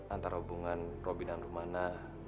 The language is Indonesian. antara hubungan roby dan rumana